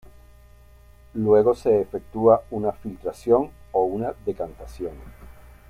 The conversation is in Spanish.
Luego se efectúa una filtración o una decantación.